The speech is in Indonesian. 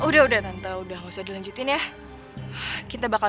dia ada di belakang